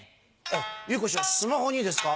「祐子師匠スマホにですか？」